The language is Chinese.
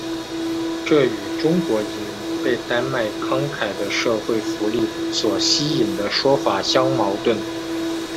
这与中国移民被丹麦慷慨的社会福利所吸引的说法相矛盾。